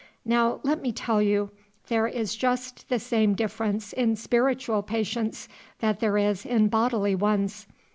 Now, let me tell you, there is just the same difference in spiritual patients that there is in bodily ones.